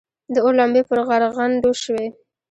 د اور لمبې پر غرغنډو شوې.